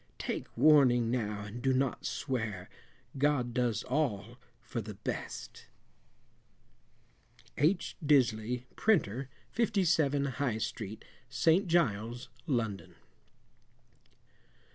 Take warning now and do not swear, God does all for the best. H. Disley, Printer, 57, High Street, St. Giles, London.